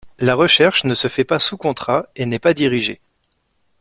La recherche ne se fait pas sous contrat et n'est pas dirigée.